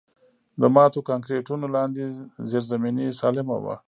د ماتو کانکریټونو لاندې زیرزمیني سالمه وه